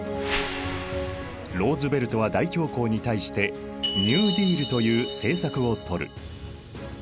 ローズヴェルトは大恐慌に対してニューディールという政策をとる。